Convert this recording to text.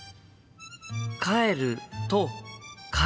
「帰る」と「帰る」。